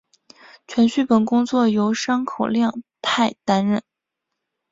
全剧本工作由山口亮太担任。